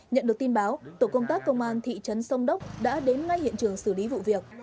nhận được tin báo tổ công tác công an thị trấn sông đốc đã đến ngay hiện trường xử lý vụ việc